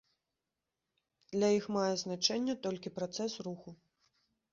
Для іх мае значэнне толькі працэс руху.